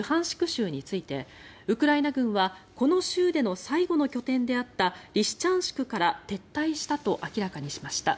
州についてウクライナ軍はこの州での最後の拠点であったリシチャンシクから撤退したと明らかにしました。